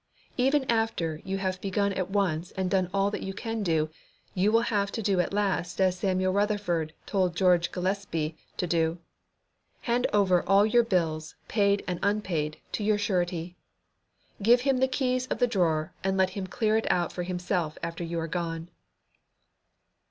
Even after you have begun at once and done all that you can do, you will have to do at last as Samuel Rutherford told George Gillespie to do: "Hand over all your bills, paid and unpaid, to your Surety. Give Him the keys of the drawer, and let Him clear it out for Himself after you are gone."